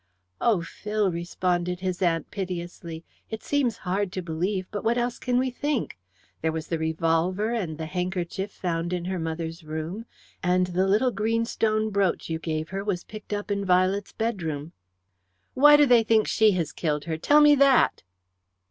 "Oh, Phil," responded his aunt piteously, "it seems hard to believe, but what else can we think? There was the revolver and the handkerchief found in her mother's room, and the little greenstone brooch you gave her was picked up in Violet's bedroom." "Why do they think she has killed her? Tell me that!"